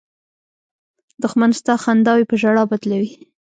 دښمن ستا خنداوې په ژړا بدلوي